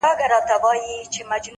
هره پوښتنه نوی درک زېږوي’